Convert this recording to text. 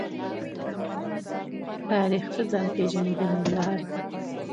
تاریخ د ځان پېژندنې لاره ده.